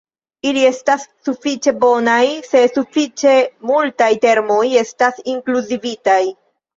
Ili estas sufiĉe bonaj se sufiĉe multaj termoj estas inkluzivitaj.